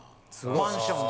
マンションが。